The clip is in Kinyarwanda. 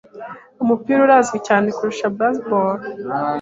Umupira urazwi cyane kuruta baseball.